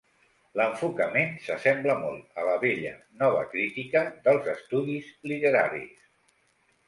L'enfocament s'assembla molt a la vella nova crítica dels estudis literaris.